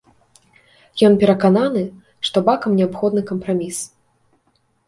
Ён перакананы, што бакам неабходны кампраміс.